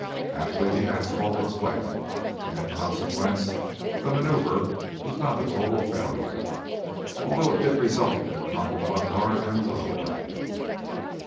Happily, the asphalt was wet, and in consequence the maneuver was not a total failure, although it did result in a crumpled mud guard and a runaway.